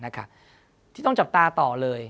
ที่ต้องจับตาต่อเลย